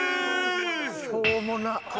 しょうもな。